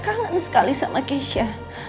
kangen sekali sama keisha